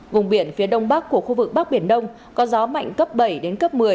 vùng biển phía đông bắc của khu vực bắc biển đông có gió mạnh cấp bảy đến cấp một mươi